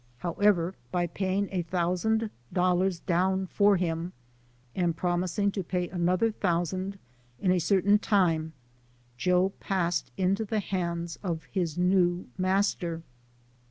How ever, by paying a thousand dollars down for him, and promising to pay another thousand in a cer 28 SOME SCENES IN THE tain time, Joe passed into the hands of his new master.